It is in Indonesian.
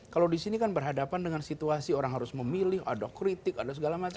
kalau di sini kan berhadapan dengan situasi orang harus memilih ada kritik ada segala macam